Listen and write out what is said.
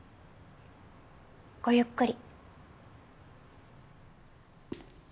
ごゆっくり。